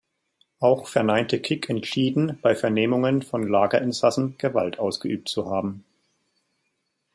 Auch verneinte Kick entschieden, bei Vernehmungen von Lagerinsassen Gewalt ausgeübt zu haben.